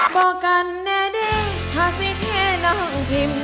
บอกกันแดดิหาสิเท่น้องพิม